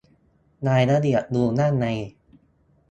รายละเอียดดูด้านใน